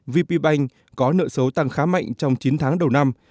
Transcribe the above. vp bank có nợ số tăng khá mạnh trong chín tháng đầu năm